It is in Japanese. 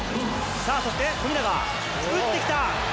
さあ、そして富永、打ってきた。